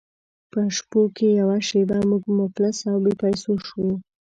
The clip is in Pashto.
په شپو کې یوه شپه موږ مفلس او بې پیسو شوو.